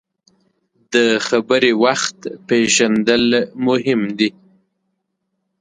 د خبرې وخت پیژندل مهم دي.